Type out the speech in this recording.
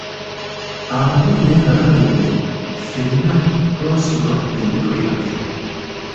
Amawulire nga gawedde, ffenna twasituka tugende twebake.